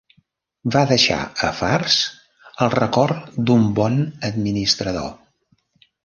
Va deixar a Fars el record d'un bon administrador.